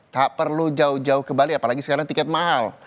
tak perlu jauh jauh ke bali apalagi sekarang tiket mahal